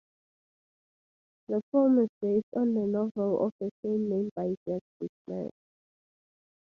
The film is based on the novel of the same name by Jack Bickham.